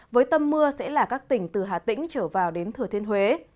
với tâm mưa sẽ là các tỉnh từ hà tĩnh trở vào đến thừa thiên huế